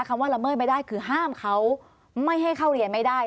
ว่าละเมิดไม่ได้คือห้ามเขาไม่ให้เข้าเรียนไม่ได้